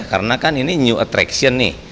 karena kan ini new attraction nih